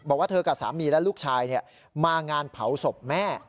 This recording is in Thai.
บอกว่าเธอกับสามีและลูกชายมางานเผาศพแม่